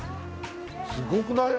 すごくない？